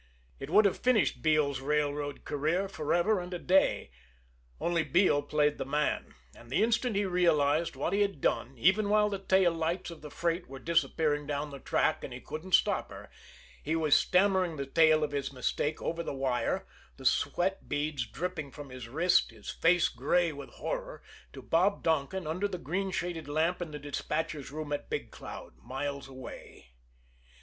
It would have finished Beale's railroad career forever and a day only Beale played the man, and the instant he realized what he had done, even while the tail lights of the freight were disappearing down the track and he couldn't stop her, he was stammering the tale of his mistake over the wire, the sweat beads dripping from his wrist, his face gray with horror, to Bob Donkin under the green shaded lamp in the despatchers' room at Big Cloud, miles away.